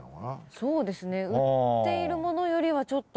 そうですね売っているものよりはちょっと。